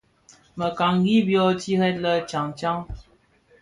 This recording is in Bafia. Bekangi byo tired lè tyaň tyaň.